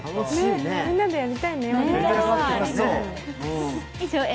みんなでやりたいね。